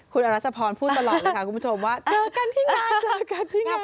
คุณอรัชพรพูดตลอดเลยค่ะคุณผู้ชมว่าเจอกันที่งานเจอกันที่งาน